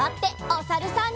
おさるさん。